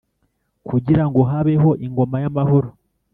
kugirango habeho ingoma y'amahoro.